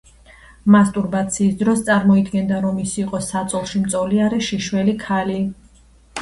მასტურბაციის დროს წარმოიდგენდა, რომ ის იყო საწოლში მწოლიარე შიშველი ქალი.